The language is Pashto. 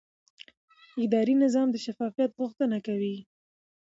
اداري نظام د شفافیت غوښتنه کوي.